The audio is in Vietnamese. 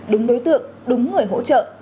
đúng đối tượng đúng người hỗ trợ